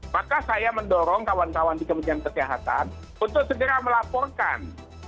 maka saya mendorong kawan kawan di kementerian kesehatan untuk segera melaporkan